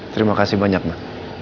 terima kasih banyak ma